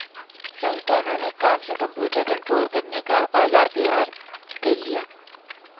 سائنسدانوں نے کام سے کمپیوٹر کنٹرول کرنے کا آلہ تیار کرلیا